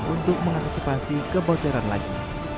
untuk mengantisipasi kebocoran lagi